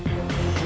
aku mau berjalan